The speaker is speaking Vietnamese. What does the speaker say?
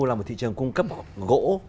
là một thị trường cung cấp gỗ